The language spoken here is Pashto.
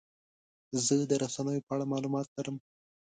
زه د رسنیو په اړه معلومات لرم.